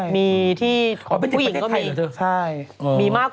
พวกผู้หญิงก็มี